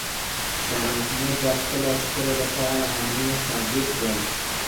شاه محمود د خپلو عسکرو لپاره امرونه صادر کړل.